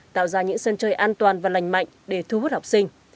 tạo ra những sân chơi an toàn và lành mạnh để thu hút học sinh